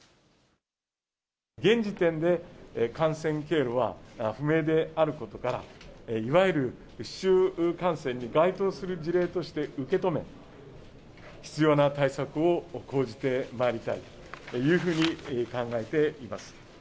現時点で感染経路は不明であることから、いわゆる市中感染に該当する事例として受け止め、必要な対策を講じてまいりたいというふうに考えています。